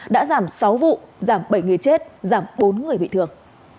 đã giảm sáu vụ giảm bảy người chết giảm bốn người bị thương